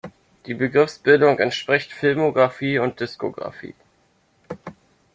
Die Begriffsbildung entspricht Filmografie und Diskografie.